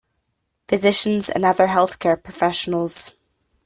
physicians, and other healthcare professionals.